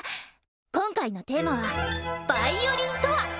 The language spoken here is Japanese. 今回のテーマは「ヴァイオリンとは？」。